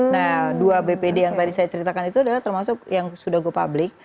nah dua bpd yang tadi saya ceritakan itu adalah termasuk yang sudah go public